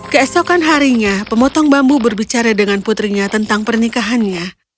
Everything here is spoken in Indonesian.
keesokan harinya pemotong bambu berbicara dengan putrinya tentang pernikahannya